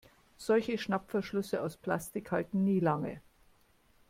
Solche Schnappverschlüsse aus Plastik halten nie lange.